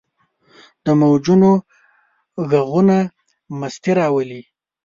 د موجونو ږغونه مستي راولي.